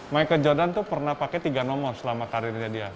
michael jordan itu pernah pakai tiga nomor selama karirnya dia